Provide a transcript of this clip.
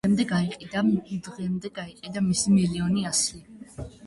დღემდე გაიყიდა მისი მილიონი ასლი.